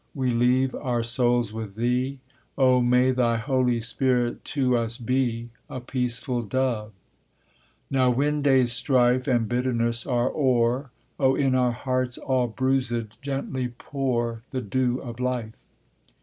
We leave our souls with Thee! Oh! may Thy Holy Spirit to us be A peaceful Dove! Now when day's strife And bitterness are o'er, Oh! in our hearts all bruisèd gently pour The dew of life.